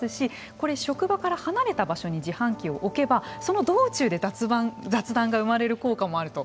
これ職場から離れた場所に自販機を置けばその道中で雑談が生まれる効果もあると。